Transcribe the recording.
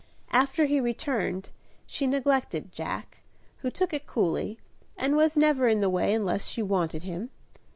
After he returned, she neglected Jack, who took it coolly, and was never in the way unless she wanted him.